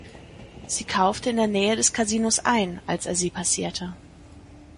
Sie kaufte in der Nähe des Casinos ein, als er sie passierte.